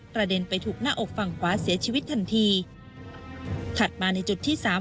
เด็นไปถูกหน้าอกฝั่งขวาเสียชีวิตทันทีถัดมาในจุดที่สาม